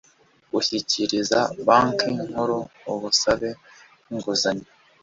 gushyikiriza banki nkuru ubusabe bw'inguzanyo